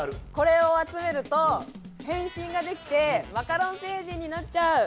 これを集めると、変身ができてマカロン星人になっちゃう。